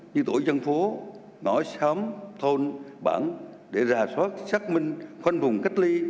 như tổ dân phố ngõ xóm thôn bản để ra soát xác minh khoanh vùng cách ly